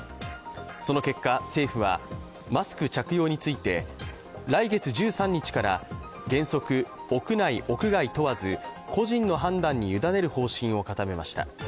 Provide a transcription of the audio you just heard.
その結果、政府はマスク着用について来月１３日から原則、屋内・屋外問わず個人の判断に委ねる方針を固めました。